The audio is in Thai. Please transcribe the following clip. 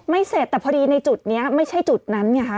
ไม่เสร็จแต่พอดีในจุดนี้ไม่ใช่จุดนั้นเนี่ยค่ะ